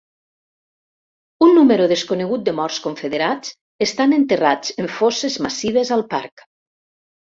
Un número desconegut de morts confederats estan enterrats en fosses massives al parc.